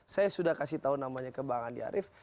saya sudah kasih tahu namanya ke bang andi arief